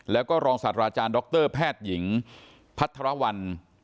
แล้วก็รองศาสตราอาจารย์ดรแพทย์หญิงพัทรวรรณ